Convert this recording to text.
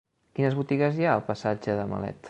Quines botigues hi ha al passatge de Malet?